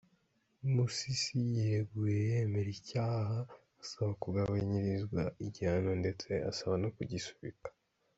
Musisi yireguye yemera icyaha asaba kugabanyirizwa igihano ndetse asaba ko gisubikwa.